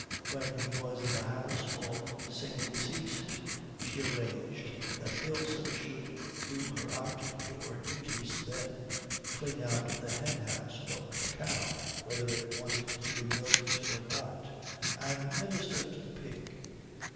When he was in the house all singing ceased. She arranged that Ilse should do her outdoor duties then clean out the hen house, milk the cow whether it wanted to be milked or not, and minister to the pig.